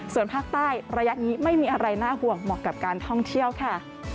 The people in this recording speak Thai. ส่วนภาคใต้ระยะนี้ไม่มีอะไรน่าห่วงเหมาะกับการท่องเที่ยวค่ะ